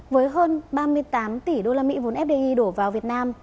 với hơn ba mươi tám tỷ đô la mỹ vốn fdi đổ vào việt nam